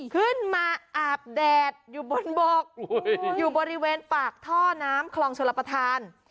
ขึ้นมาอาบแดดอยู่บนบกอยู่บริเวณปากท่อน้ำคลองชลประธาน